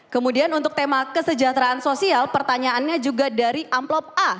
kemudian untuk tema kesejahteraan sosial pertanyaannya juga dari amplop a